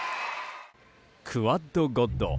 クワッド・ゴッド。